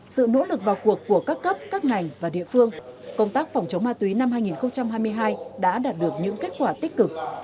sự nỗ lực vào cuộc của các cấp các ngành và địa phương công tác phòng chống ma túy năm hai nghìn hai mươi hai đã đạt được những kết quả tích cực